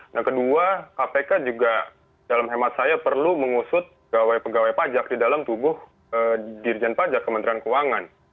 nah kedua kpk juga dalam hemat saya perlu mengusut pegawai pegawai pajak di dalam tubuh dirjen pajak kementerian keuangan